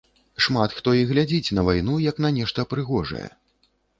Шмат хто і глядзіць на вайну як на нешта прыгожае.